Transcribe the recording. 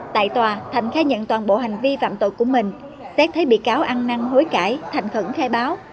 tại tòa thành khai nhận toàn bộ hành vi phạm tội của mình xét thấy bị cáo ăn năng hối cãi thành khẩn khai báo